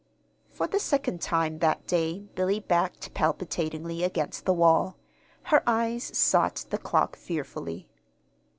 For the second time that day Billy backed palpitatingly against the wall. Her eyes sought the clock fearfully.